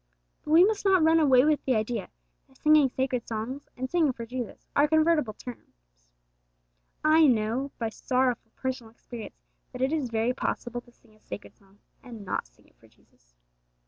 But we must not run away with the idea that singing sacred songs and singing for Jesus are convertible terms. I know by sorrowful personal experience that it is very possible to sing a sacred song and not sing it for Jesus.